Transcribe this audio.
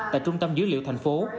tại trung tâm dữ liệu thành phố